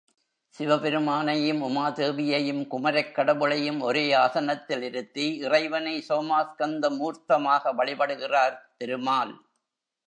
சிவபெருமானையும் உமா தேவியையும் குமரக் கடவுளையும் ஒரே ஆசனத்திலிருத்தி இறைவனை சோமாஸ்கந்த மூர்த்தமாக வழிபடுகிறார் திருமால்.